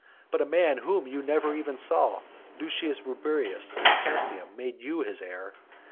But a man whom you never even saw, Lucius Rubrius, of Casinum, made you his heir.